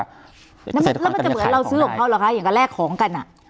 แล้วมันจะเหมือนเราซื้อของเขาเหรอคะอย่างกับแลกของกัน